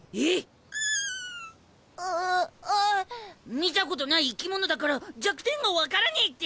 見たことない生き物だから弱点が分からねえって！？